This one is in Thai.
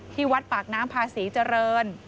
ที่วัดปากน้ำพาศรีเจริญ